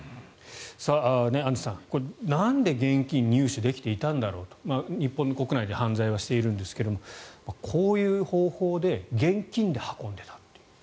アンジュさんなんで現金を入手できていたんだろうと日本国内で犯罪はしているんですがこういう方法で現金で運んでいたという。